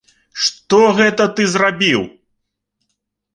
Што гэта ты зрабіў?